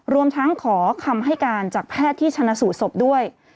รวมทั้งขอคำให้การจากแพทย์ที่ชนะสูตรศพด้วย